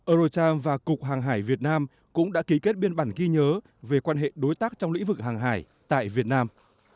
eurocharm và cục hàng hải việt nam cũng đã ký kết biên bản ghi nhớ về quan hệ đối tác trong lĩnh vực hàng hải tại việt nam